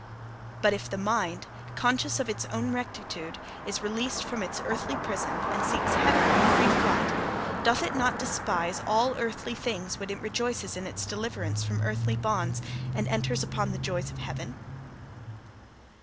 But if the mind, conscious of its own rectitude, is released from its earthly prison, and seeks heaven in free flight, doth it not despise all earthly things when it rejoices in its deliverance from earthly bonds, and enters upon the joys of heaven?'